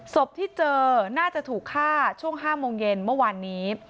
ศพที่เจอน่าจะถูกฆ่าช่วง๕โมงเย็นเมื่อวานนี้